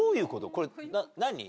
これ何？